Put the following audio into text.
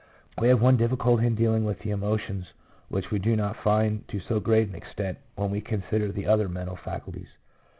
We have one difficulty in dealing with the emotions which we do not find to so great an extent when we consider the other mental faculties.